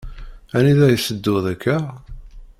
Anida i tetteduḍ akka?